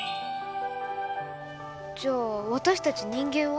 じゃあ私たち人間は？